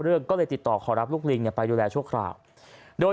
เรื่องก็เลยติดต่อขอรับลูกลิงเนี่ยไปดูแลชั่วคราวโดย